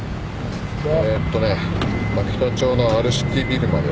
えっとね巻田町のアルシティビルまで。